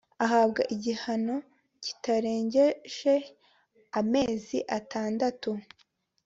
Ahabwa igihano kitarengejeamazi atandatu